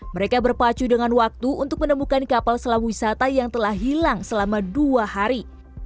mereka berpacu dengan waktu untuk menemukan kapal selam wisata yang telah hilang selama dua hari